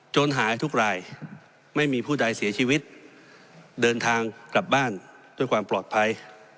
หายทุกรายไม่มีผู้ใดเสียชีวิตเดินทางกลับบ้านด้วยความปลอดภัย